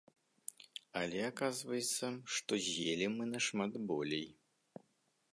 Але аказваецца, што з'елі мы нашмат болей.